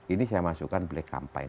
ini saya masukkan black campaign